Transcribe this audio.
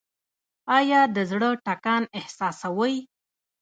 ایا د زړه ټکان احساسوئ؟